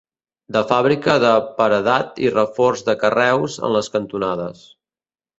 De fàbrica de paredat i reforç de carreus en les cantonades.